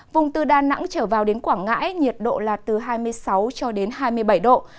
vùng từ đà nẵng trở vào đến quảng ngãi nhiệt độ là từ hai mươi sáu cho đến hai mươi bảy độ